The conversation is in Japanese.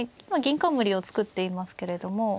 今銀冠を作っていますけれども。